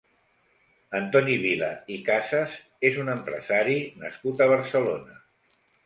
Antoni Vila i Casas és un empresari nascut a Barcelona.